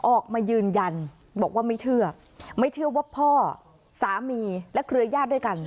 ออกมายืนยันบอกว่าไม่เชื่อไม่เชื่อว่าพ่อสามีและเครือญาติด้วยกัน